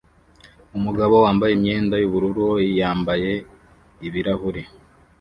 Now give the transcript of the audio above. Umugabo wambaye imyenda yubururu yambaye ibirahuri